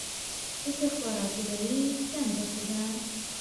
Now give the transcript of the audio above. د استخباراتو رییس دنده څه ده؟